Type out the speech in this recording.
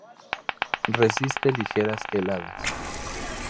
Resiste ligeras heladas.